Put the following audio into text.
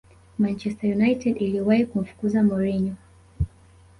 manchester united iliwahi kumfukuza mourinho